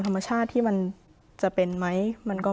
เพราะฉะนั้นทำไมถึงต้องทำภาพจำในโรงเรียนให้เหมือนกัน